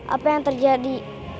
apa yang terjadi